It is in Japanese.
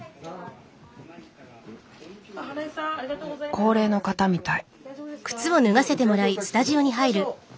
高齢の方みたい。